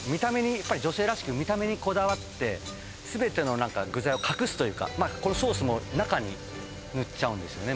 女性らしく見た目にこだわってすべての具材を隠すというかこれソースも中に塗っちゃうんですよね